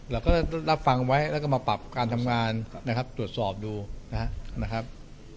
เราก็รับฟังไว้แล้วก็มาปรับการทำงานนะครับตรวจสอบดูนะครับ